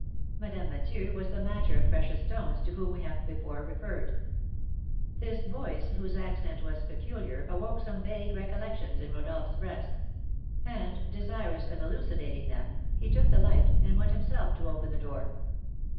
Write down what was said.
(Madame Mathieu was the matcher of precious stones to whom we have before referred.) This voice, whose accent was peculiar, awoke some vague recollections in Rodolph's breast; and, desirous of elucidating them, he took the light, and went himself to open the door.